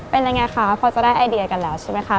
เป็นยังไงคะพอจะได้ไอเดียกันแล้วใช่ไหมคะ